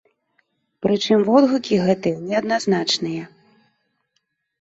Прычым водгукі гэтыя неадназначныя.